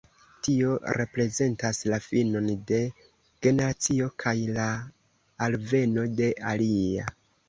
Tio reprezentas la finon de generacio kaj la alveno de alia.